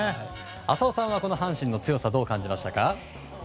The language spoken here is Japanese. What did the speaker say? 浅尾さんはこの阪神の強さどう感じましたか？